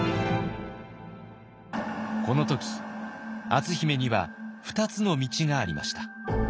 この時篤姫には２つの道がありました。